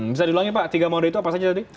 bisa diluangin pak tiga moda itu apa saja tadi